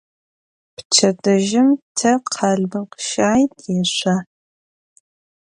Pçedıjım te khalmıkhşay têşso.